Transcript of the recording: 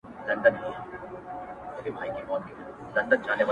ما خو خپل زړه هغې ته وركړى ډالۍ_